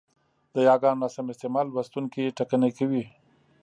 د یاګانو ناسم استعمال لوستوونکی ټکنی کوي،